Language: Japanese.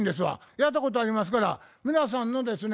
やったことありますから皆さんのですね